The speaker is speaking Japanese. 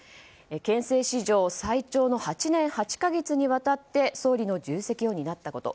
憲政史上最長の８年８か月にわたり総理の重責を担ったこと。